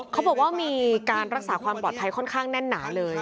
เขาบอกว่ามีการรักษาความปลอดภัยค่อนข้างแน่นหนาเลย